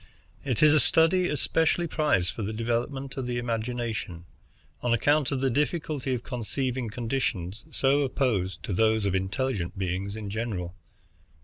It is a study especially prized for the development of the imagination, on account of the difficulty of conceiving conditions so opposed to those of intelligent beings in general.